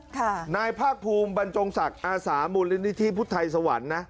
นายภาคภูมิบรรจงศักดิ์อาสามูลนิธิพุทธไทยสวรรค์นะ